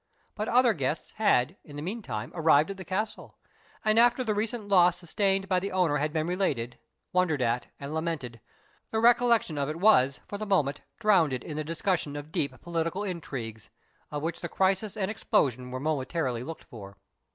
But other guests had, in the meanwhile, arrived at the castle; and, after the recent loss sustained by the owner had been related, wondered at, and lamented, the recollection of it was, for the present, drowned in the discussion of deep political intrigues, of which the crisis and explosion were momentarily looked for.